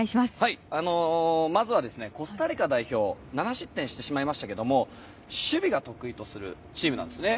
まずは、コスタリカ代表は７失点してしまいましたが守備が得意のチームなんですね。